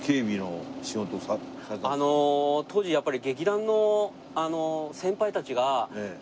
あの当時やっぱり。